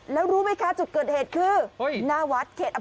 แล้วรู้ไหมคะจุดเกิดเหตุคือ